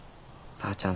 ばあちゃん